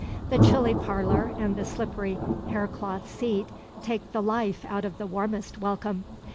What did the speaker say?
The chilly parlor and the slippery hair cloth seat take the life out of the warmest welcome.